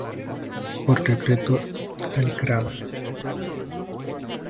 Por decreto del Gral.